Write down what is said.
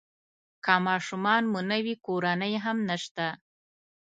که ماشومان مو نه وي کورنۍ هم نشته.